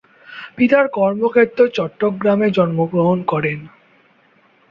পিতার কর্মক্ষেত্র চট্টগ্রামে জন্মগ্রহণ করেন।